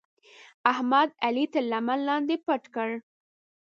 احمد؛ علي تر لمن لاندې پټ کړ.